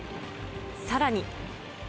さらに。